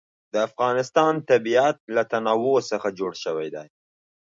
د افغانستان طبیعت له تنوع څخه جوړ شوی دی.